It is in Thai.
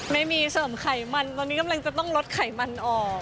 ไม่มีเสริมไขมันตอนนี้กำลังจะต้องลดไขมันออก